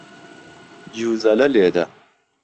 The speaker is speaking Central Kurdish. جوزەلە لێدە.